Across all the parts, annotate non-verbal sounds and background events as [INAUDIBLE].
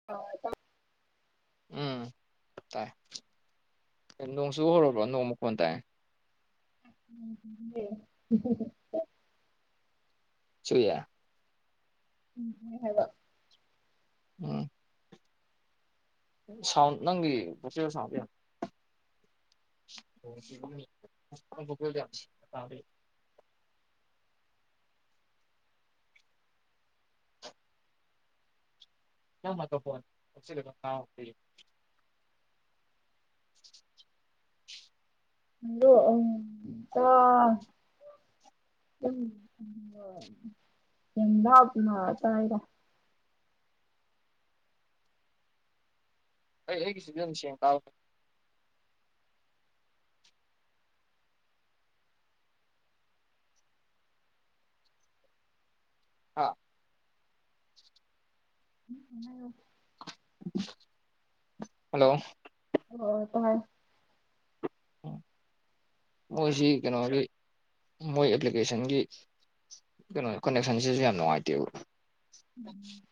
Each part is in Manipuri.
[UNINTELLIGIBLE] [INAUDIBLE] ꯎꯝ ꯇꯥꯏ ꯅꯣꯡ ꯆꯨ ꯍꯧꯔꯕꯣ ꯅꯣꯡ ꯃꯈꯣꯟ ꯇꯥꯏ [UNINTELLIGIBLE] ꯆꯨꯏꯌꯦ ꯎꯝ [UNINTELLIGIBLE] ꯍꯥꯏꯕ ꯎꯝ ꯁꯥꯎꯟ ꯅꯪꯒꯤ ꯄꯣꯠꯆꯦꯟ ꯁꯥꯎꯟ ꯌꯥꯝ ꯅꯣꯡ ꯆꯨꯕꯅꯤꯅ ꯅꯪꯒꯤ ꯚꯣꯀꯦꯜꯗꯣ ꯌꯥꯝ ꯊꯤꯅ ꯇꯥꯗꯦ ꯅꯪ ꯃꯥꯏꯀ꯭ꯔꯥꯐꯣꯟ ꯍꯥꯞꯆꯤꯜꯂꯒ ꯇꯥꯎ [UNINTELLIGIBLE] [INAUDIBLE] ꯍꯜꯂꯣ ꯎꯝ ꯇꯥ [UNINTELLIGIBLE] ꯌꯥꯝ ꯂꯥꯞꯅ ꯇꯥꯏꯌꯦꯗ ꯑꯩ ꯑꯩꯒꯤ ꯁꯤꯗꯅ ꯁꯦꯡ ꯇꯥꯕ ꯑꯥ ꯑꯝ ꯍꯜꯂꯣ ꯑꯣ ꯇ ꯥꯏ ꯎꯝ ꯃꯣꯏꯁꯤ ꯀꯩꯅꯣꯒꯤ ꯃꯣꯏ ꯑꯦꯄ꯭ꯂꯤꯀꯦꯁꯟꯒꯤ ꯀꯩꯅꯣ ꯀꯅꯦꯛꯁꯟꯁꯤꯁꯨ ꯌꯥꯝ ꯅꯨꯡꯉꯥꯏꯇꯦꯕ ꯎꯝ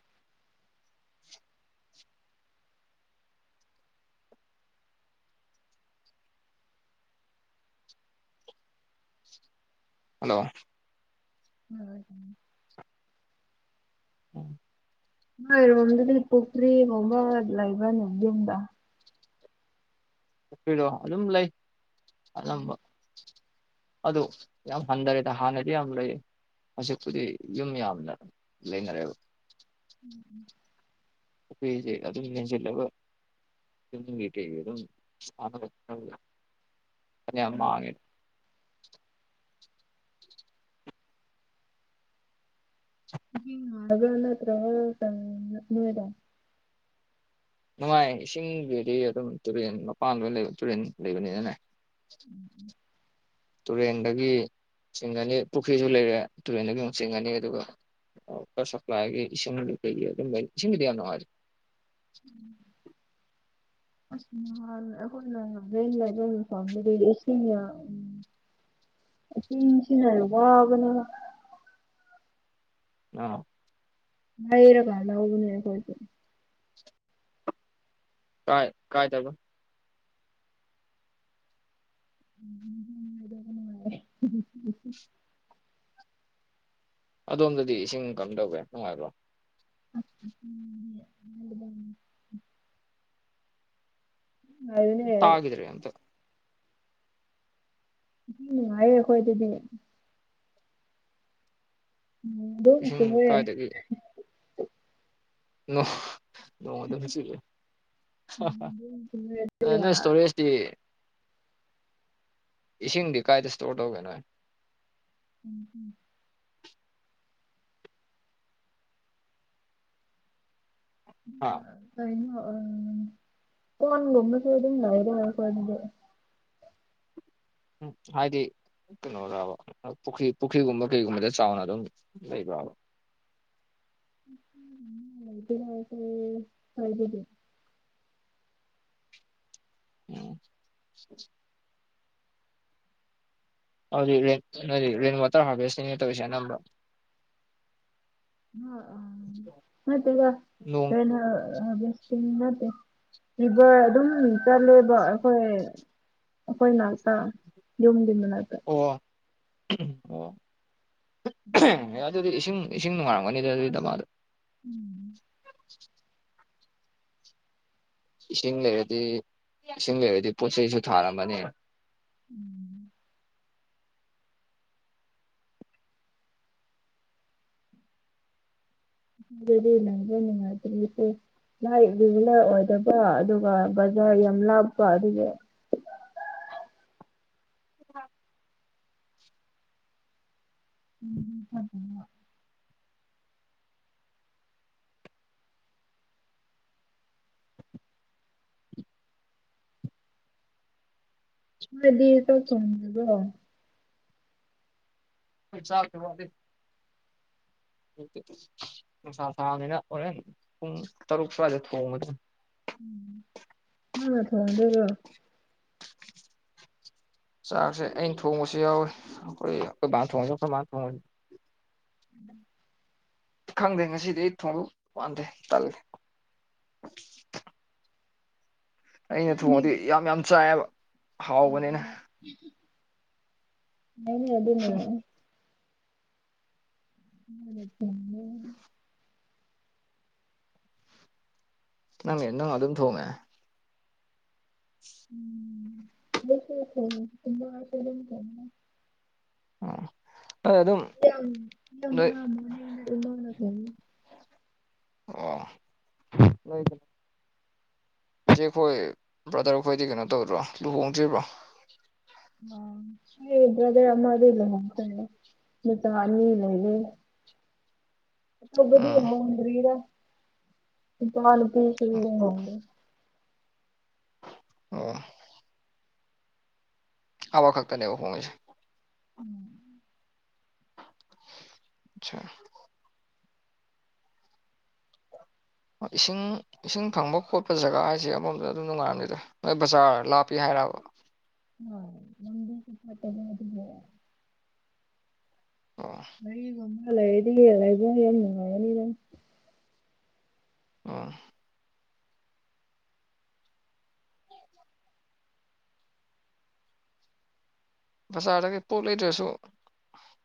ꯍꯜꯂꯣ [UNINTELLIGIBLE] ꯎꯝ ꯑꯣꯏ ꯔꯣꯅꯥꯜꯗꯣꯒꯤ ꯄꯨꯈ꯭ꯔꯤ ꯐꯧꯕ ꯂꯩꯕ ꯂꯩꯕ꯭ꯔꯣ ꯌꯨꯝꯗ ꯄꯨꯈ꯭ꯔꯤꯗꯣ ꯑꯗꯨꯝ ꯂꯩ ꯑꯅꯝꯕ ꯑꯗꯨ ꯌꯥꯝ ꯍꯟꯊꯔꯦꯗ ꯍꯥꯟꯅꯗꯤ ꯌꯥꯝ ꯂꯩ ꯍꯧꯖꯤꯛꯄꯨꯗꯤ ꯌꯨꯝ ꯌꯥꯝꯅ ꯂꯩꯅꯔꯦꯕ ꯎꯝ ꯄꯨꯈ꯭ꯔꯤꯁꯤ ꯑꯗꯨꯝ ꯃꯦꯟꯖꯤꯜꯂꯒ ꯌꯨꯝꯒꯤ ꯀꯩꯒꯤ ꯗꯨꯝ ꯁꯥꯕ ꯈꯜꯂꯤꯕ ꯐꯥꯅ ꯌꯥꯝ ꯃꯥꯡꯉꯦ [UNINTELLIGIBLE] ꯒ ꯅꯠꯇ꯭ꯔ [UNINTELLIGIBLE] ꯅꯦꯗ ꯅꯨꯡꯉꯥꯏ ꯏꯁꯤꯡꯒꯤꯗꯤ ꯑꯗꯨꯝ ꯇꯨꯔꯦꯜ ꯃꯄꯥꯟ ꯂꯣꯏ ꯂꯩꯕ ꯇꯨꯔꯦꯟ ꯂꯩꯕꯅꯤꯅꯅꯦ ꯇꯨꯔꯦꯟꯗꯒꯤ ꯆꯤꯡꯒꯅꯤ ꯄꯨꯈ꯭ꯔꯤꯁꯨ ꯂꯩꯔꯦ ꯇꯨꯔꯦꯟꯗꯒꯤ ꯑꯃꯨꯛ ꯆꯤꯡꯒꯅꯤ ꯑꯗꯨꯒ ꯋꯥꯇ꯭ꯔ ꯁꯄ꯭ꯂꯥꯏꯒꯤ ꯏꯁꯤꯡꯗꯤ ꯂꯩ ꯑꯗꯨꯝ ꯂꯩ ꯏꯁꯤꯡꯕꯨꯗꯤ ꯌꯥꯝ ꯅꯨꯡꯉꯥꯏꯗ ꯎꯝ [UNINTELLIGIBLE] ꯏꯁꯤꯡꯅ ꯑꯝ ꯏꯁꯤꯡꯁꯤꯅ ꯋꯥꯕꯅꯦꯕ ꯑꯥ ꯂꯩꯔꯒ ꯂꯧꯕꯅꯦ ꯑꯈꯣꯏꯁꯨ ꯀꯥꯏ ꯀꯥꯏ ꯗꯕ [UNINTELLIGIBLE] ꯑꯗꯣꯝꯗꯗꯤ ꯏꯁꯤꯡ ꯀꯝ ꯗꯧꯒꯦ ꯅꯨꯡꯉꯥꯏꯕ꯭ꯔꯣ [UNINTELLIGIBLE] ꯇꯥꯒꯤꯗ꯭ꯔꯦ ꯑꯃꯇ ꯏꯁꯤꯡ ꯅꯨꯡꯉꯥꯏꯌꯦ ꯑꯩꯈꯣꯏꯒꯤꯗꯤ ꯎꯝ ꯏꯁꯤꯡ ꯀꯥꯏꯗꯒꯤ ꯅꯣꯡ ꯅꯣꯡ ꯑꯗꯨꯝ ꯆꯨꯍꯦ ꯍꯥ ꯍꯥ ꯅꯣꯡ ꯑꯗꯨꯝ ꯆꯨꯋꯦ ꯑꯗꯨꯒ ꯅꯣꯏ ꯏꯁꯇꯣꯔꯦꯖ ꯇꯤ ꯏꯁꯤꯡꯗꯤ ꯀꯥꯏꯗ ꯏꯁꯇꯣꯔ ꯇꯧꯒꯦ ꯅꯣꯏ ꯎꯝ ꯎꯝ ꯍꯥ ꯀꯥꯏꯩꯅ ꯑꯥ ꯀꯣꯟꯒꯨꯝꯕꯁꯨ ꯑꯗꯨꯝ ꯇꯧꯕ ꯑꯩꯈꯣꯏ ꯑꯗꯨꯒ ꯎꯝ ꯍꯥꯏꯗꯤ ꯀꯩꯅꯣꯗꯕ ꯄꯨꯈ꯭ꯔꯤ ꯄꯨꯈ꯭ꯔꯤꯒꯨꯝꯕ ꯀꯩꯒꯨꯝꯕꯗ ꯆꯥꯎꯅ ꯑꯗꯨꯝ ꯂꯩꯕ꯭ꯔꯕꯥ [UNINTELLIGIBLE] ꯍꯥꯏꯕꯗꯤ ꯎꯝ ꯑꯗꯨꯗꯤ ꯅꯣꯏꯗꯤ ꯔꯦꯟ ꯋꯥꯇꯔ ꯍꯥꯔꯚꯦꯁꯇꯤꯡꯅ ꯇꯧꯔꯤꯁꯦ ꯑꯅꯝꯕ ꯉꯥ ꯑ ꯅꯠꯇꯦꯗ ꯅꯣꯡ [UNINTELLIGIBLE] ꯑꯥ ꯕꯦꯁꯇꯤꯡ ꯅꯠꯇꯦ ꯂꯦꯕ꯭ꯔ ꯑꯗꯨꯝ ꯆꯠꯂꯦꯕ ꯑꯩꯈꯣꯏ ꯑꯩꯈꯣꯏ ꯅꯥꯥꯛꯇ ꯌꯨꯝꯗꯨꯏ ꯃꯅꯥꯛꯇꯥ ꯑꯣ ꯑꯣ ꯎꯝ ꯑꯗꯨ ꯏꯁꯤꯡ ꯏꯁꯤꯡ ꯅꯨꯡꯉꯥꯏꯔꯝꯒꯅꯤꯗ ꯑꯗꯨꯗꯤ ꯗꯃꯥꯗ ꯎꯝ꯫ ꯏꯁꯤꯡ ꯂꯩꯔꯗꯤ ꯏꯁꯤꯡ ꯂꯩꯔꯗꯤ ꯄꯣꯠ ꯆꯩꯁꯨ ꯊꯥꯔꯝꯃꯅꯤ꯫ ꯎꯝ꯫ ꯑꯗꯨꯗꯤ ꯅꯪꯁꯨ ꯅꯨꯡꯉꯥꯏꯇ꯭ꯔꯦꯁꯦ ꯫ ꯂꯥꯏ ꯔꯤꯒꯤꯅ ꯑꯣꯏꯗꯕ ꯑꯗꯨꯒ ꯕꯖꯥꯔ ꯌꯥꯝ ꯂꯥꯞꯄ ꯑꯗꯨꯒꯤ [UNINTELLIGIBLE] ꯎꯝ [UNINTELLIGIBLE] ꯅꫭꯏꯗꯤ ꯆꯥꯛ ꯊꫭꯡꯗꯕ꯭ꯔꫭ ꯫ ꯈꫭꯏ ꯆꯥꯛꯀꯤ ꯋꯥꯗꯤ ꯂꯩꯇꯦꯗ꯫ ꯅꯨꯡꯁꯥ ꯁꯥꯥꯕꯅꯤꯅ ꯍꯣꯔꯦꯟ ꯄꯨꯡ ꯇꯔꯨꯛ ꯁ꯭ꯋꯥꯏꯗ ꯊꯣꯡꯉꯥꯗꯨꯝ ꯎꯝ꯫ ꯅꯪꯅ ꯊꯣꯡꯗꯨꯏꯔꫭ ꯆꯥꯛꯁꯦ ꯑꯩꯅ ꯊꯣꯡꯕꯁꯨ ꯌꯥꯎꯏ ꯑꯩꯈꯣꯏ ꯀꯣꯏꯕꯥꯅ ꯊꯣꯡꯉꯁꯨ ꯑꯩꯈꫭꯏ ꯃꯥꯅ ꯊꯣꯡ ꯈꯪꯗꯦ ꯉꯁꯤꯗꯤ ꯑꯩ ꯊꯣꯡꯗꯧ ꯃꯥꯟꯗꯦ ꯇꯜꯂꯤ꯫ ꯑꯩꯅ ꯅꯪꯗꯤ ꯊꯣꯡꯉꯗꯤ ꯌꯥꯝ ꯌꯥꯝ ꯆꯥꯏꯌꯦꯕ ꯍꯥꯎꯕꯅꯤꯅ [UNINTELLIGIBLE] ꯑꯗꯨꯅ [UNINTELLIGIBLE] ꯅꯪꯅꯦ ꯅꯪꯅ ꯑꯗꯨꯝ ꯊꯣꯡꯉꯦ꯫ [UNINTELLIGIBLE] ꯑꫭ ꯑꯩ ꯑꯗꯨꯝ ꯌꯥꯝ ꯌꯥꯝ ꯅꯣꯏ [UNINTELLIGIBLE] ꯏꯃꯥꯅ ꯊꫭꯡꯕꯅꯦ꯫ ꯑꯣ [UNINTELLIGIBLE] ꯆꯤꯆꯦ ꯈꯣꯏ ꯕ꯭ꯔꯗꯔꯈꯣꯏꯗꯤ ꯀꯩꯅꯣ ꯇꯧꯗ꯭ꯔꯣ ꯂꯨꯍꯣꯡꯗ꯭ꯔꯤꯕ꯭ꯔꯣ꯫ ꯑꯃ ꯑꯩ ꯕ꯭ꯔꯗꯔ ꯑꯃꯗꯤ ꯂꯨꯍꫭꯡ ꯈꯔꯦ ꯃꯆꯥ ꯑꯅꯤ ꯂꯩꯔꯦ꯫ ꯑꯆꯧꯕꯗꯤ ꯎꯝ ꯍꫭꯡꯗ꯭ꯔꯤꯗ [UNINTELLIGIBLE] ꯁꯨ ꯂꯨꯍꫭꯡꯗ꯭ꯔꯤ꯫ ꯑꯣ ꯑꯃ ꯈꯛꯇꯅꯦꯕ ꯍꯣꯡꯉꯤꯁꯦ꯫ ꯎꯝ꯫ ꯑꯥꯠꯆ ꯏꯁꯤꯡ ꯏꯁꯤꯡ ꯐꯪꯕ ꯈꯣꯠꯄ ꯖꯒꯥ ꯍꯥꯏꯁꯦ ꯑꯃꯔꫭꯝꯗ ꯑꯗꯨꯝ ꯅꯨꯡꯉꯥꯏꯔꯝꯅꯤꯗ ꯃꫭꯏ ꯕꯖꯥꯔ ꯂꯥꯞꯄꯤ ꯍꯥꯏꯔꯕ ꯍꯣꯏ ꯂꯥꯝꯕꯤꯁꯨ ꯐꯠꯇꯕ ꯑꯗꯨꯒꯤ ꯑꯣ ꯒꯔꯤꯒꯨꯝꯕ ꯂꯩꯔꯗꯤ ꯂꯩꯕ ꯌꯥꯝ ꯅꯨꯡꯉꯥꯏꯔꯅꯤꯗꯥ ꯑꯣ ꯕꯖꯥꯔꯗꯒ ꯄꯣꯠ ꯂꯩꯗ꯭ꯔꯁꯨ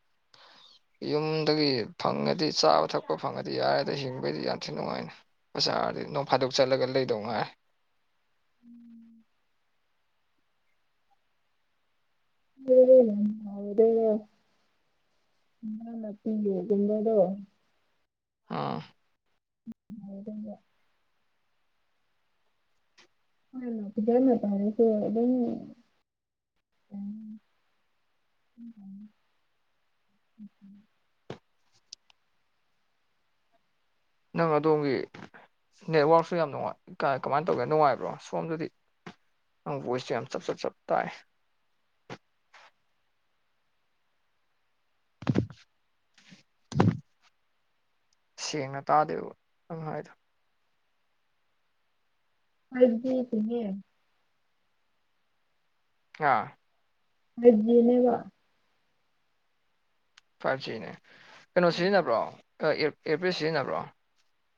[INAUDIBLE] ꯌꯨꯝꯗꯒꯤ ꯐꯪꯉꯗꯤ ꯆꯥꯕ ꯊꯛꯄ ꯐꯪꯉꯗꯤ ꯌꯥꯔꯗꯥ ꯍꯤꯡꯕꯩꯗꯤ ꯌꯥꯝ ꯊꯤꯅ ꯅꯨꯡꯉꯥꯏꯅ ꯕꯖꯥꯔꯗꯤ ꯅꯣꯡ ꯐꯥꯗꯣꯛ ꯆꯠꯂꯒ ꯂꯩꯗꯧ ꯉꯥꯏ꯫ ꯎꯝ꯫ [UNINTELLIGIBLE] [UNINTELLIGIBLE] ꯑꯥ [UNINTELLIGIBLE] [UNINTELLIGIBLE] [UNINTELLIGIBLE] [INAUDIBLE] ꯅꯪ ꯑꯗꯣꯝꯒꯤ ꯅꯦꯠꯋꯥꯔꯛꯁꯨ ꯌꯥꯝ ꯅꯨꯉꯥꯏ ꯀꯃꯥꯏꯅ ꯇꯧꯒꯦ ꯅꯨꯡꯉꯥꯏꯕ꯭ꯔꯣ ꯁꯣꯝꯗꯗꯤ ꯅꯪ ꯚꯣꯏꯁꯁꯦ ꯌꯥꯝ ꯆꯞ ꯆꯞ ꯆꯞ ꯇꯥꯏ [UNINTELLIGIBLE] ꯁꯦꯡꯅ ꯇꯥꯗꯦꯕ ꯅꯪ ꯍꯥꯏꯗ‌ꯣ ꯑꯩꯕꯨꯗꯤ ꯁ‌ꯦꯡꯉ‌ꯦ ꯍꯥ ꯐꯥꯏꯞ ꯖꯤꯅ‌ꯦꯕ ꯐꯥꯏꯚ ꯖꯤꯅꯦ ꯀꯩꯅꯣ ꯁꯤꯖꯤꯟꯅꯕ꯭ꯔꯣ ꯑꯦꯔꯄꯤꯁ ꯁꯤꯖꯤꯟꯅꯕ꯭ꯔꯣ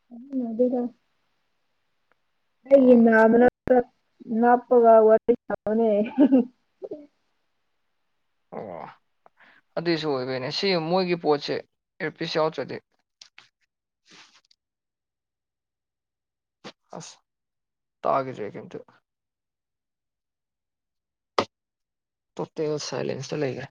ꯁꯤꯖꯤꯟꯅꯗ‌ꯦꯗ ꯑꯩ ꯑꯣ ꯅꯥꯃꯅ ꯅꯞꯄꯒ ꯋꯥꯔꯤꯁꯥꯕꯅ‌ꯦ ꯑꯣ ꯑꯗꯨꯏꯁꯨ ꯑꯣꯏꯕꯩꯅꯦ ꯁꯤ ꯃꯣꯏꯒꯤ ꯄꯣꯠꯁꯦ ꯑꯦꯔꯄꯤꯁ ꯌꯥꯎꯗ꯭ꯔꯗꯤ ꯑꯁ ꯇꯥꯒꯤꯗ꯭ꯔꯦ ꯀꯩꯝꯇ ꯇꯣꯇ‌ꯦꯜ ꯁꯥꯏꯂꯦꯟꯁ ꯇ ꯂꯩꯒ꯭ꯔ‌ꯦ